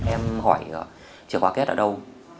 em hỏi chìa khóa két ở đâu